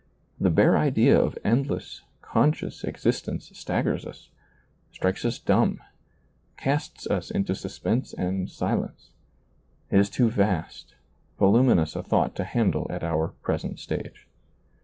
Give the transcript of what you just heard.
The bare idea of endless, conscious existence staggers us, strikes us dumb, casts us into suspense and silence ; it is too vast, volumi nous a thought to handle at our present stage.